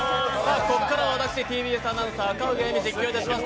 ここからは私、ＴＢＳアナウンサー・赤荻歩が実況します！